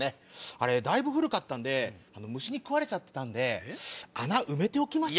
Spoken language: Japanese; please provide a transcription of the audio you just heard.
あれだいぶ古かったんで虫に食われちゃってたんで穴埋めておきました。